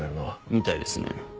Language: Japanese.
みたいですね。